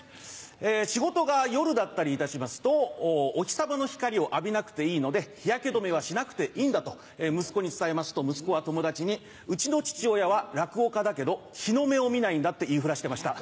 仕事が夜だったりいたしますとお日さまの光を浴びなくていいので日焼け止めはしなくていいんだと息子に伝えますと息子は友達にうちの父親は落語家だけど日の目を見ないんだって言いふらしてました。